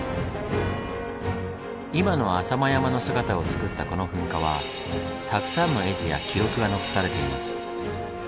今の浅間山の姿をつくったこの噴火はたくさんの絵図や記録が残されています。